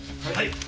はい。